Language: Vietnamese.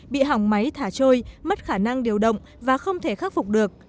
bị hỏng máy thả trôi mất khả năng điều động và không thể khắc phục được